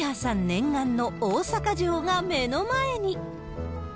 念願の大阪城が目の前に。